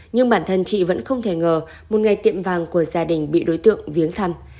nhưng bản thân chị vẫn không thể ngờ một ngày tiệm vàng của gia đình bị đối tượng viếng thăm